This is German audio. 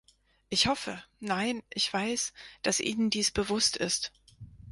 Ich hoffe, nein, ich weiß, dass Ihnen dies bewusst ist.